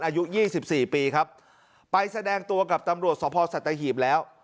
อายุยี่สิบสี่ปีครับไปแสดงตัวกับตำรวจสภสัตว์ศตหิตรแล้ว